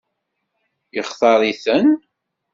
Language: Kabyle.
Yextaṛ-iten?